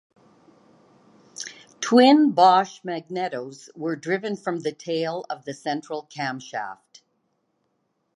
Twin Bosch magnetos were driven from the tail of the central camshaft.